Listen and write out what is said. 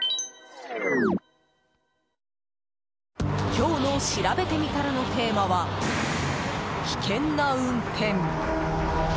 今日のしらべてみたらのテーマは、危険な運転。